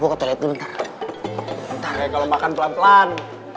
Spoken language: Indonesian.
kalau makan pelan pelan